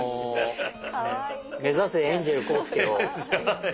目指せエンジェル浩介を。